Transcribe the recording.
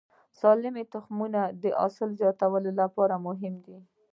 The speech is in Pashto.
سالم تخمونه د حاصل زیاتوالي لپاره مهم دي.